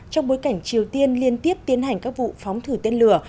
trong bối cảnh triều tiên liên tiếp tiến hành các vụ phóng thử tên lửa